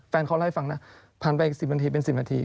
แฟนเขาเล่าให้ฟังนะผ่านไป๑๐นาทีเป็น๑๐นาที